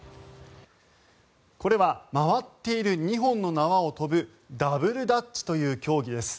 これは回っている２本の縄を跳ぶダブルダッチという競技です。